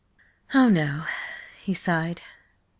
"Oh, no," he sighed.